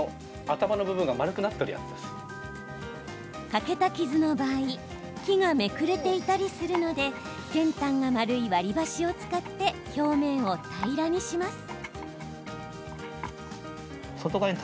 欠けた傷の場合木がめくれていたりするので先端が丸い割り箸を使って表面を平らにします。